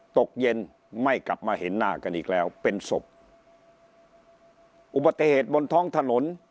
ตกเย็นไม่กลับมาเห็นหน้ากันอีกแล้วเป็นศพอุบัติเหตุบนท้องถนน